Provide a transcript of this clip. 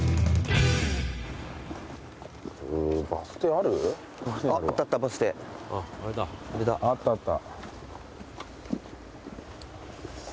あったあった。